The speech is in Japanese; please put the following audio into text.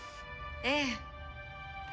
ええ。